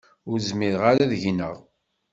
Ur zmireɣ ara ad gneɣ.